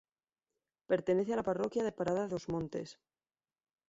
Pertenece a la parroquia de Parada dos Montes.